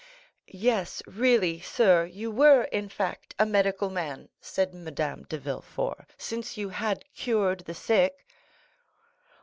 "Yes, really, sir, you were in fact a medical man," said Madame de Villefort, "since you had cured the sick."